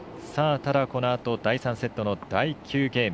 ただ、このあと第３セットの第９ゲーム。